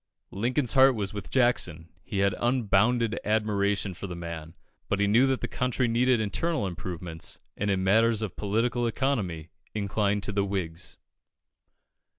Lincoln's heart was with Jackson; he had unbounded admiration for the man, but he knew that the country needed internal improvements, and in matters of political economy inclined to the Whigs.